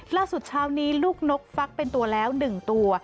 เช้านี้ลูกนกฟักเป็นตัวแล้ว๑ตัว